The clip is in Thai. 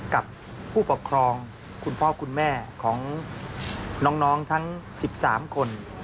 กับผู้ปกครองคุณพ่อคุณแม่ของน้องทั้ง๑๓คน